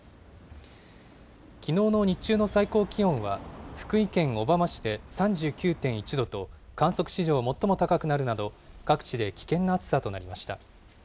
きのうの日中の最高気温は、福井県小浜市で３９．１度と、観測史上最も高くなるなど、各地で危険な暑さとなりました。